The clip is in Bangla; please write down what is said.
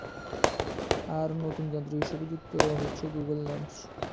আর নতুন যন্ত্র হিসেবে যুক্ত হচ্ছে গুগল লেন্স।